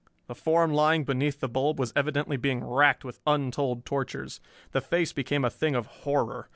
The form lying beneath the bulb was evidently being racked with untold tortures. The face became a thing of horror.